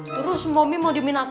terus momi mau diminat